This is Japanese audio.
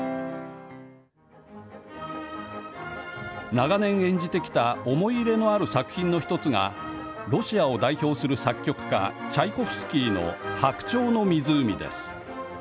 長年、演じてきた思い入れのある作品の１つがロシアを代表する作曲家チャイコフスキーの白鳥の湖です。